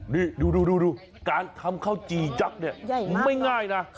นี่ดูการทำข้าวจี๊ยักษ์เนี่ย